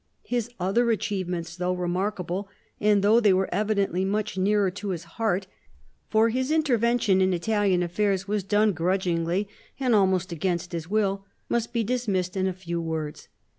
His other achievements, though remarkable, and though they were evidently much nearer to his heart (for his intervention in Italian affairs was done grudgingly and almost against his will), must be dismissed in a few words.